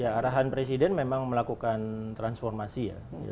ya arahan presiden memang melakukan transformasi ya